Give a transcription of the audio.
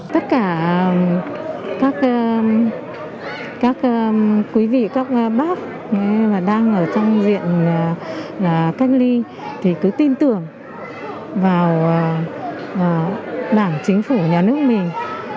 và các quý vị các bác đang ở trong diện cách ly thì cứ tin tưởng vào bảng chính phủ nhà nước mình